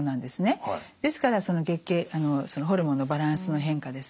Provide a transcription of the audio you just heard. ですから月経ホルモンのバランスの変化ですね